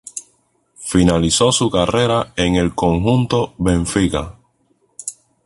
Finalizó su carrera en el conjunto Benfica.